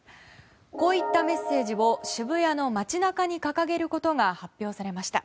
こういったメッセージを渋谷の街中に掲げることが発表されました。